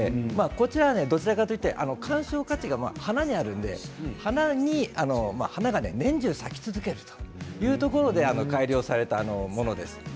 こちらはどちらかというと鑑賞価値が花にあるので花が年中咲き続けるというところで改良されたものです。